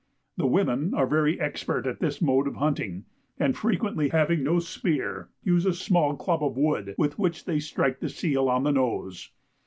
The women are very expert at this mode of hunting, and frequently having no spear, use a small club of wood with which they strike the seal on the nose.